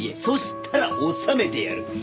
そしたら治めてやる。